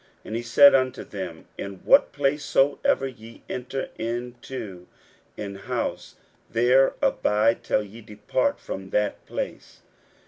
41:006:010 And he said unto them, In what place soever ye enter into an house, there abide till ye depart from that place.